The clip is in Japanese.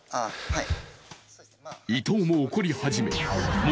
はい